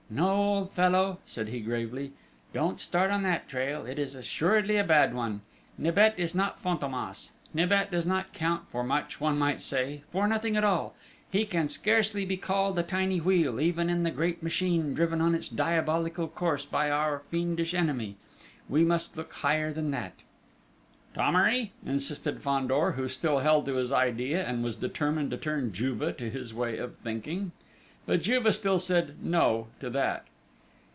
"No, old fellow," said he gravely. "Don't start on that trail, it is assuredly a bad one: Nibet is not Fantômas. Nibet does not count for much, one might say, for nothing at all; he can scarcely be called a tiny wheel even in the great machine driven on its diabolical course by our fiendish enemy ... we must look higher than that!" "Thomery?" insisted Fandor, who still held to his idea, and was determined to turn Juve to his way of thinking.... But Juve still said "no!" to that.